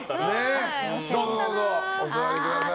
どうぞ、お座りください。